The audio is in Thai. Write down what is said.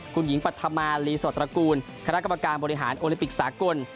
คุณหญิงปัฒนาลีสวรรคูณคณะกรรมการบริหารโอลิปิกสากล